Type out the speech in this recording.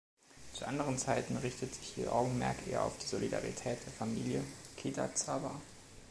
Zu anderen Zeiten richtet sich ihr Augenmerk eher auf die Solidarität der Familie Kitazawa.